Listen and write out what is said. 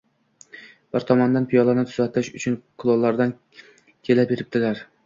Bir tomondan piyolani tuzatish uchun kulollar kela beribdilar